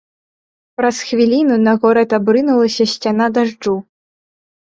Праз хвіліну на горад абрынулася сцяна дажджу.